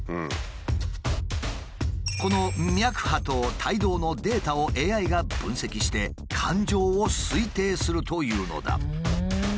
この「脈波」と「体動」のデータをＡＩが分析して感情を推定するというのだ。